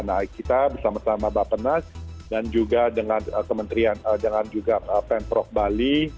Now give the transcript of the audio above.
nah kita bersama sama bapak nas dan juga dengan kementerian dengan juga pemprov bali